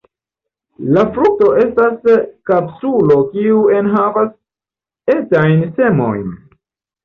La frukto estas kapsulo kiu enhavas etajn semojn.